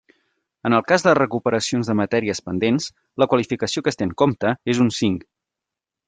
En el cas de recuperacions de matèries pendents, la qualificació que es té en compte és un cinc.